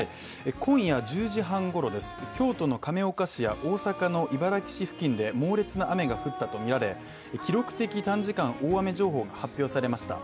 今夜１０時半ごろです、京都の亀岡市や大阪の茨木市付近で猛烈な雨が降ったとみられ記録的短時間大雨情報が発表されました。